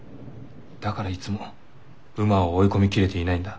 だからいつも馬を追い込みきれていないんだ。